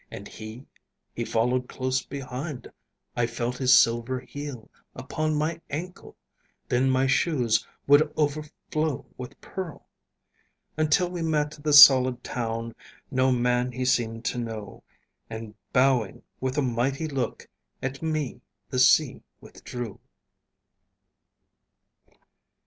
And he he followed close behind; I felt his silver heel Upon my ankle, then my shoes Would overflow with pearl. Until we met the solid town, No man he seemed to know; And bowing with a mighty look At me, the sea withdrew. XX.